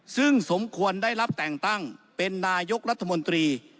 ซึ่งสมควรได้รับแต่งตั้งเป็นนายกรัฐมนตรี